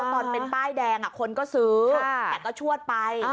ตอนเป็นป้ายแดงคนก็ซื้อแต่ก็ชวดไป